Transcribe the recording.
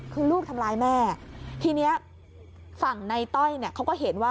คือลูกทำร้ายแม่ทีนี้ฝั่งในต้อยเนี่ยเขาก็เห็นว่า